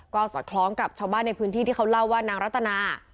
ก็สอดคล้องกับชาวบ้านในพื้นที่ที่เขาเล่าว่านางรัตนา